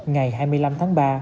ngày hai mươi năm tháng ba